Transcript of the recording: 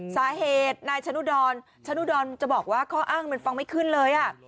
สาเหตุนายชนุดรชนุดรจะบอกว่าข้ออ้างมันฟังไม่ขึ้นเลย